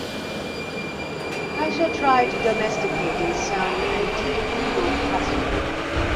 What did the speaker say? I shall try to domesticate in some antique feudal castle.